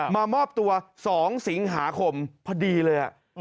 มามอบตัว๒สิงหาคมพอดีเลย